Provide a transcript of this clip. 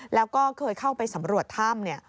แล้วก็เคยเข้าไปสำรวจถ้ำเนี่ย